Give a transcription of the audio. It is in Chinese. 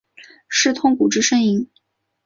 是痛苦之呻吟？